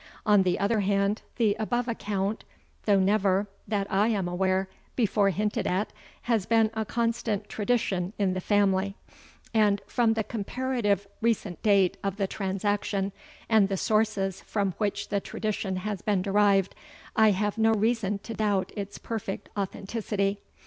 On the other hand, the above account, though never, that I am aware, before hinted at, has been a constant tradition in the family; and, from the comparative recent date of the transaction, and the sources from which the tradition has been derived, I have no reason to doubt its perfect authenticity.